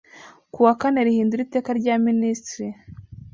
ku wa kane rihindura Iteka rya Minisitiri